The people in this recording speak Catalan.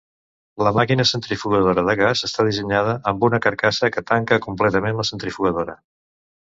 La màquina centrifugadora de gas està dissenyada amb una carcassa que tanca completament la centrifugadora.